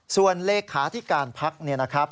ส่วนเลขาที่การพักเนี่ยนะครับ